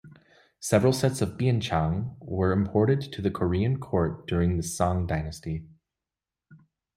Several sets of "bianzhong" were imported to the Korean court during the Song Dynasty.